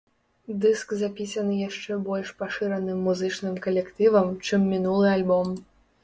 Дыск запісаны яшчэ больш пашыраным музычным калектывам, чым мінулы альбом.